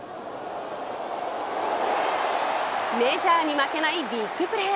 メジャーに負けないビッグプレー。